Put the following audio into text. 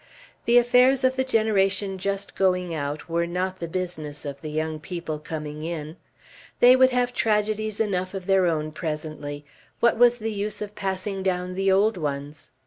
The affairs of the generation just going out were not the business of the young people coming in. They would have tragedies enough of their own presently; what was the use of passing down the old ones?